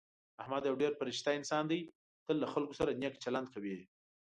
احمد یو ډېر فرشته انسان دی. تل له خلکو سره نېک چلند کوي.